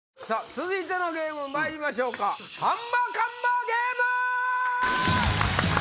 続いてのゲームまいりましょうハンマーカンマーゲーム！